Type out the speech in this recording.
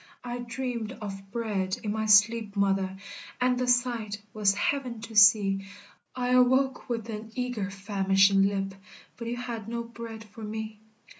I dreamed of bread in my sleep, mother, And the sight was heaven to see, I awoke with an eager, famishing lip, But you had no bread for me.